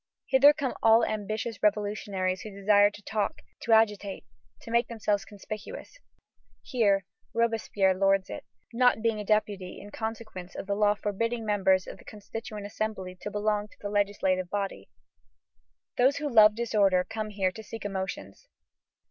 Hither come all ambitious revolutionists who desire to talk, to agitate, to make themselves conspicuous. Here Robespierre lords it, not being a deputy in consequence of the law forbidding members of the Constituent Assembly to belong to the legislative body. Those who love disorder come here to seek emotions.